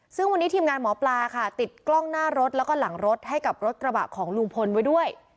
ซึ่งวันนี้ทีมงานหมอปลาค่ะติดกล้องหน้ารถแล้วก็หลังรถให้กับรถกระบะของลุงพลไว้ด้วย